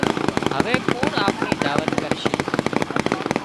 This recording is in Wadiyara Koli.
هوي ڪُوڻ آپڻي دعوت ڪرشي